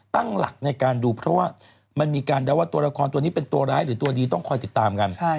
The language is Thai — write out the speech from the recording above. ตั้งหลักในการดูเพราะว่ามันมีการเดาว่าตัวละครตัวนี้เป็นตัวร้ายหรือตัวดีต้องคอยติดตามกัน